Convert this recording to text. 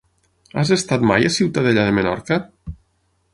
Has estat mai a Ciutadella de Menorca?